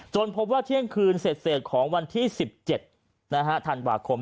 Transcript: พบว่าเที่ยงคืนเสร็จของวันที่๑๗ธันวาคม